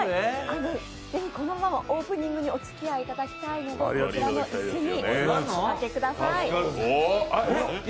このままオープニングにおつきあいいただきたいのでこちらの椅子におかけください。